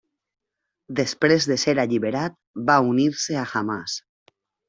Després de ser alliberat, va unir-se a Hamàs.